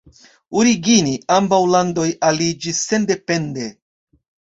Origine ambaŭ landoj aliĝis sendepende.